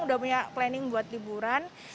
udah punya planning buat liburan